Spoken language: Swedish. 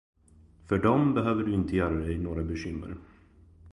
För dem behöver du inte göra dig några bekymmer.